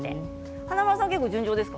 華丸さん、順調ですか？